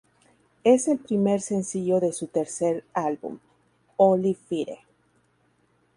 Es el primer sencillo de su tercer álbum, "Holy Fire".